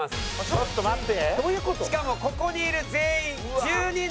ちょっと待って。